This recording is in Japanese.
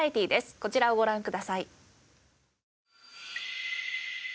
こちらをご覧ください。